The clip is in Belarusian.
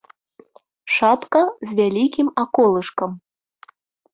Шапка з вялікім аколышкам.